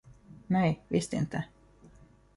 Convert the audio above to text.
Nej, visst inte.